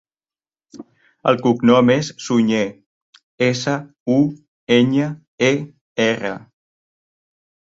El cognom és Suñer: essa, u, enya, e, erra.